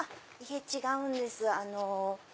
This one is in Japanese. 違うんです。